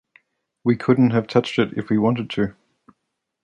We couldn't have touched it if we wanted to.